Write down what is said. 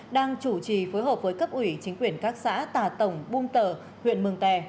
đang chủ trì phối hợp với cấp ủy chính quyền các xã tà tổng bung tở huyện mường tè